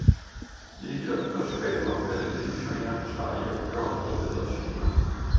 Il grattacielo è l'edificio in acciaio più alto della Cina.